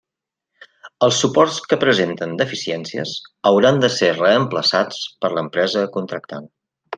Els suports que presenten deficiències hauran de ser reemplaçats per l'empresa contractant.